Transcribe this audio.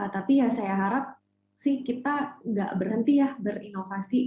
tapi ya saya harap sih kita nggak berhenti ya berinovasi